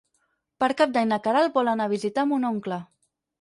Per Cap d'Any na Queralt vol anar a visitar mon oncle.